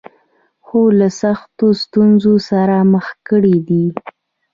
هم له سختو ستونزو سره مخ کړې دي.